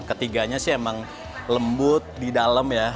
ketiganya sih emang lembut di dalam ya